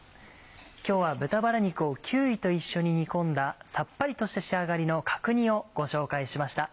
今日は豚バラ肉をキーウィと一緒に煮込んださっぱりとした仕上がりの角煮をご紹介しました。